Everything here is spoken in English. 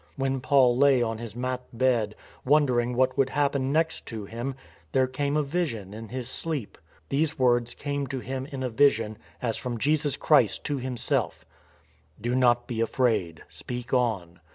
When Paul lay on his mat bed, wondering what would hap pen next to him, there came a vision in his sleep. These words came to him, in a vision, as from Jesus Christ to himself :'* Do not be afraid : speak on.